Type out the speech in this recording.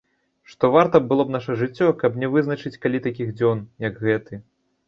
Што варта было б наша жыццё, каб не вызначыць калі такіх дзён, як гэты.